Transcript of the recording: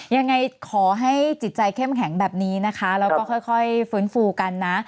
อย่างไรขอให้หรือจิตใจเข้มแข็งแบบนี้เราก็ค่อยฟื้นฟูกันนะ